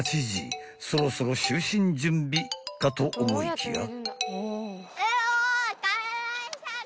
［そろそろ就寝準備かと思いきや］